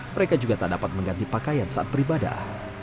mereka juga tak dapat mengganti pakaian saat beribadah